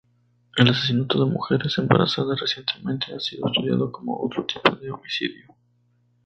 El asesinato de mujeres embarazadas recientemente ha sido estudiado como otro tipo de homicidio.